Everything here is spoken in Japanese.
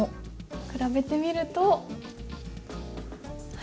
比べてみるとはい。